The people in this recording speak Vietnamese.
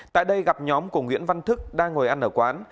tại đây gặp nhóm của nguyễn văn thức đang ngồi ăn ở quán